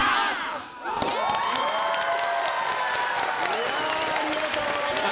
いやありがとうございました！